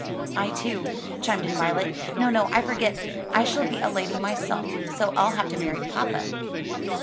"I too," chimed in Violet. "No, no, I forget, I shall be a lady myself: so I'll have to marry papa."